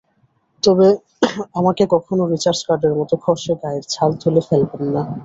তবে আমাকে কখনো রিচার্জ কার্ডের মতো ঘষে গায়ের ছাল তুলে ফেলবেন না।